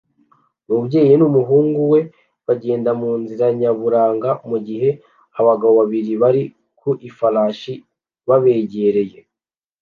Umubyeyi n'umuhungu we bagenda mu nzira nyaburanga mu gihe abagabo babiri bari ku ifarashi babegereye